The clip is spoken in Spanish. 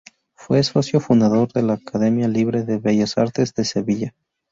Fue socio fundador de la Academia libre de Bellas Artes de Sevilla.